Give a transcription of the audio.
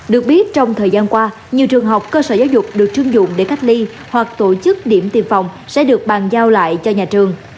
được biết trong thời gian qua nhiều trường học cơ sở giáo dục được trưng dụng để cách ly hoặc tổ chức điểm tiêm phòng sẽ được bàn giao lại cho nhà trường